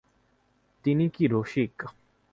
তিনি কি– রসিক।